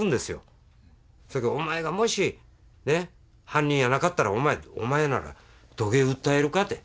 「お前がもし犯人やなかったらお前ならどげん訴えるか」って。